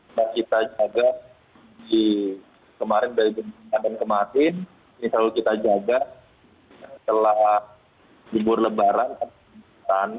yang kita jaga di kemarin dari kemarin ini selalu kita jaga setelah libur lebaran